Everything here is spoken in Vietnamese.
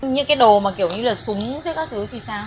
những cái đồ kiểu như là súng chứ các thứ thì sao